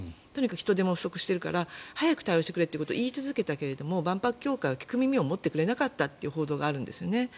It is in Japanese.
人手も不足しているから早く対応してくれということを言い続けたけれど万博協会は聞く耳を持ってくれなかったという話があるんですね。